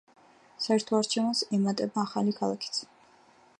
საერთო არჩევანს ემატება ახალი ქალაქიც.